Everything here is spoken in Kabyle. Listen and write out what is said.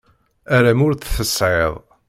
Aram ur t-tesεiḍ.